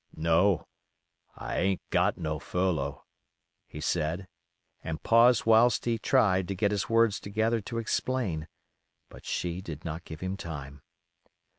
"No, I ain't got no furlough," he said, and paused whilst he tried to get his words together to explain. But she did not give him time.